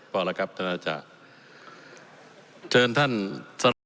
พอแล้วครับท่านนัทธาชาเจินท่าน